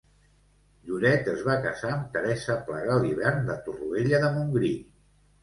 Lloret es va casar amb Teresa Pla Galibern de Torroella de Montgrí.